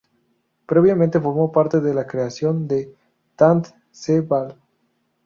Previamente formó parte de la creación de "Tant Se Val".